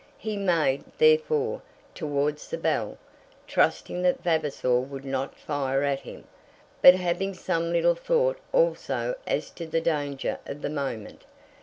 He made, therefore, towards the bell, trusting that Vavasor would not fire at him, but having some little thought also as to the danger of the moment.